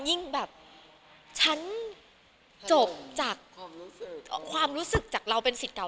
ยิ่งแบบฉันจบจากความรู้สึกจากเราเป็นสิทธิ์เก่า